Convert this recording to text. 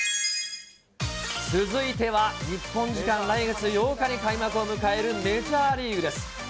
続いては、日本時間、来月８日に開幕を迎えるメジャーリーグです。